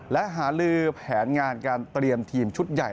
และหาลือแผนงานการเตรียมทีมชุดใหญ่